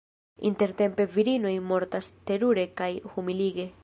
Intertempe virinoj mortas terure kaj humilige.